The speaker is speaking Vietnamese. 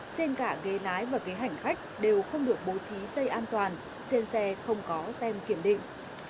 trên cả ghế nái và ghế hành khách đều không được bố trí xây an toàn trên xe không có tem kiểm định